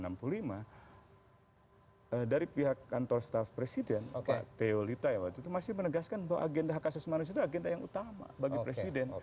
karena dari pihak kantor staf presiden pak teo litai waktu itu masih menegaskan bahwa agenda hak asasi manusia itu agenda yang utama bagi presiden